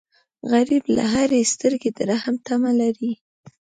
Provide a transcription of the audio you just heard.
غریب له هرې سترګې د رحم تمه لري